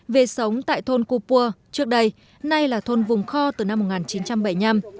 về sống tại thôn cô pua trước đây nay là thôn vùng kho từ năm một nghìn chín trăm bảy mươi năm